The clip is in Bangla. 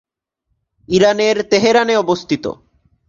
ইরানের তেহরানে অবস্থিত।